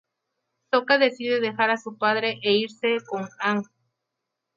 Sokka decide dejar a su padre e irse con Aang.